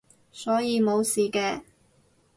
所以冇事嘅